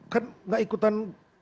kan gak ikutan